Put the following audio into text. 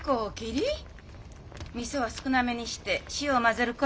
みそは少なめにして塩を混ぜること。